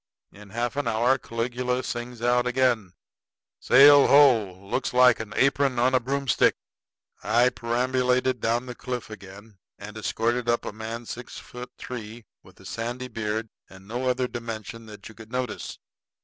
In half an hour Caligula sings out again: "Sail ho! Looks like an apron on a broomstick." I perambulated down the cliff again, and escorted up a man six foot three, with a sandy beard and no other dimension that you could notice.